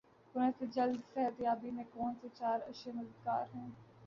corona سے جلد صحت یابی میں کون سی چار اشیا مددگار ہیں